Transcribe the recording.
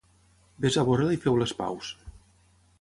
Vés a veure-la i feu les paus.